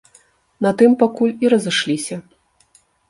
На тым пакуль і разышліся.